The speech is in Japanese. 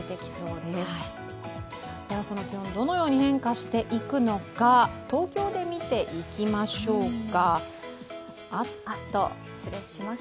ではその気温、どのように変化していくのか、東京でみていきましょうか。